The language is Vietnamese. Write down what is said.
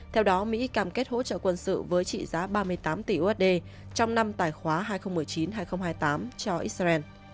theo đó mỹ cam kết hỗ trợ quân sự với trị giá ba mươi tám tỷ usd trong năm tài khoá hai nghìn một mươi chín hai nghìn hai mươi tám cho israel